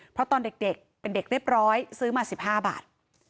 เพราะตอนเด็กเป็นเด็กเรียบร้อยซื้อมา๑๕บาท